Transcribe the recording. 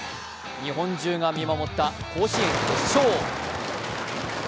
日本中が見守った甲子園決勝。